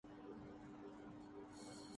وہ بے معنی شور شرابہ ہے۔